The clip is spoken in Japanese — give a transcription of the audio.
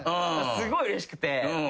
すごいうれしくて。